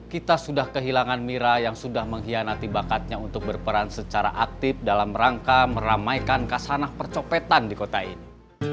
kita sudah kehilangan mira yang sudah mengkhianati bakatnya untuk berperan secara aktif dalam rangka meramaikan kasanah percopetan di kota ini